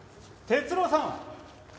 哲郎さん。